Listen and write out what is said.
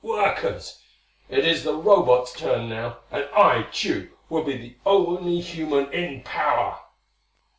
Workers! It is the Robots' turn now. And I Tugh will be the only human in power!"